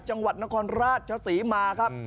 จังหวัดนครราชศรีมาครับ